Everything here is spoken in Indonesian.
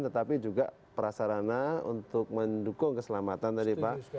tetapi juga prasarana untuk mendukung keselamatan tadi pak